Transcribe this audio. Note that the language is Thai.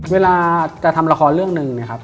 เวลาจะทำละครเรื่องหนึ่งนะครับ